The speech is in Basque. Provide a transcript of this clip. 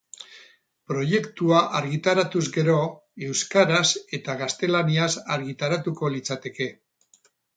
Proiektua argitaratuz gero, euskaraz eta gaztelaniaz argitaratuko litzateke.